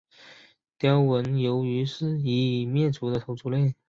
雕纹鱿鱼是一属已灭绝的头足类。